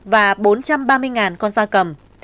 và bốn trăm ba mươi con sa cầm